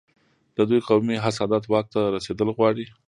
د دوی قومي حسادت واک ته رسېدل غواړي.